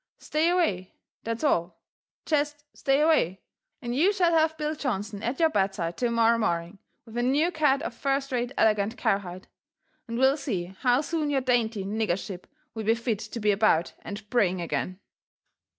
Stay away — that's all— jest stay away, and you shall have Bill Johnson at your bed side to morrow morning with a new cat eC first rate elegant cow hide, and we'll see how soon your dainty nig gership will be fit to be about and praying again."